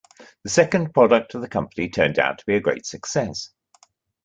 The second product of the company turned out to be a great success.